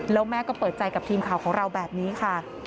แล้วแม่ก็เปิดใจกับทีมข่าวของเราแบบนี้ค่ะ